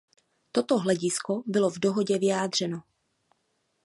Toto hledisko bylo v dohodě vyjádřeno.